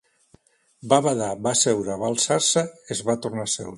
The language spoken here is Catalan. Va badar, va seure, va alçar-se, es va tornar a seure